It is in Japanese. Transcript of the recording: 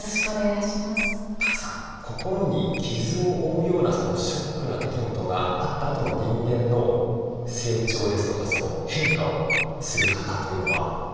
宅さん心に傷を負うようなショックな出来事があったあとの人間の成長ですとか変化をする方というのは少なくないのでしょうか？